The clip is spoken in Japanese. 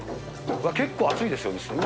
うわっ、結構熱いですよね。